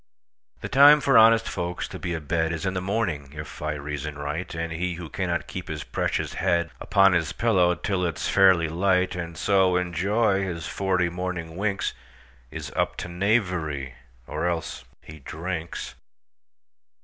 The time for honest folks to be a bedIs in the morning, if I reason right; And he who cannot keep his precious headUpon his pillow till it 's fairly light, And so enjoy his forty morning winks, Is up to knavery; or else—he drinks!